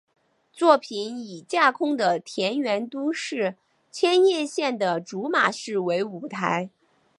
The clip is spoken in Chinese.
作品以架空的田园都市千叶县的竹马市为舞台。